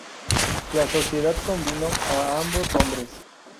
La sociedad convino a ambos hombres.